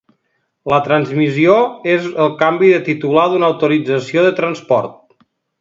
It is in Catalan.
La transmissió és el canvi de titular d'una autorització de transport.